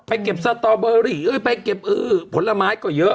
ไปเก็บสตอเบอร์รี่ผลไม้ก็เยอะ